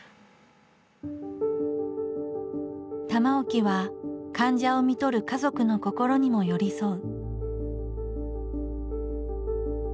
玉置は患者をみとる家族の心にも寄り添う。